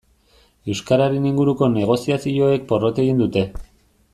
Euskararen inguruko negoziazioek porrot egin dute.